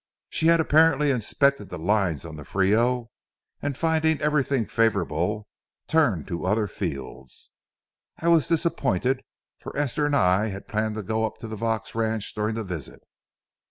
She had apparently inspected the lines on the Frio, and, finding everything favorable, turned to other fields. I was disappointed, for Esther and I had planned to go up to the Vaux ranch during the visit.